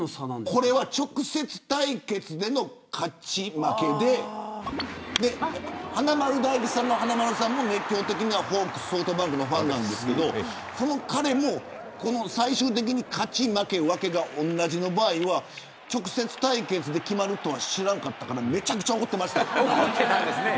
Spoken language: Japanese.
これは直接対決での勝ち負けで華丸・大吉さんの華丸さんも熱狂的なソフトバンクのファンですがその彼も最終的に勝ち負けと分けが同じ場合は直接対決で決まると知らなかったのでめちゃくちゃ怒ってました。